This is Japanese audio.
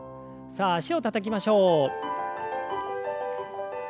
さあ脚をたたきましょう。